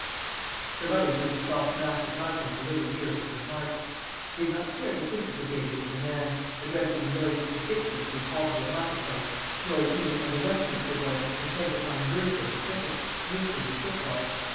The mother drew the soft mass of muslin a little nearer to her heart. She did not care to think of her baby as a man, addressing a noisy constituency in Holborough market place, nor even, as a Westminster boy, intent upon Virgil and cricket, Euclid and football.